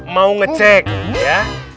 mau ngecek ya